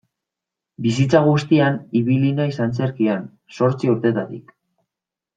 Bizitza guztian ibili naiz antzerkian, zortzi urtetatik.